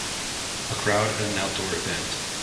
A crowd at an outdoor event.